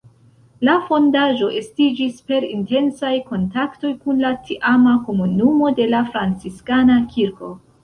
La fondaĵo estiĝis per intensaj kontaktoj kun la tiama komunumo de la Franciskana kirko.